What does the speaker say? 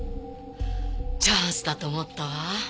チャンスだと思ったわ。